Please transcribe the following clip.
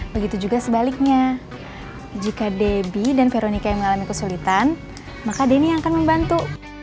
begitu juga sebaliknya jika debbie dan veronica yang mengalami kesulitan maka denny yang akan membantu